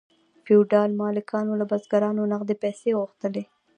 فیوډال مالکانو له بزګرانو نغدې پیسې غوښتلې.